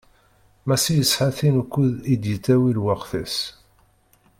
Massi yesɛa tin ukkud i d-yettawi lweqt-is.